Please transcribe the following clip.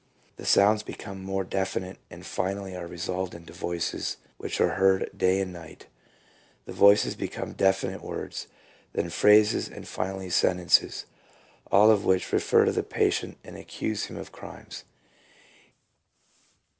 The sounds become more definite and finally are resolved into voices which are heard day and night ; the voices become definite words, then phrases, and finally sentences, all of which refer to the patient and accuse him of crimes.